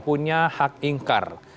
punya hak ingkar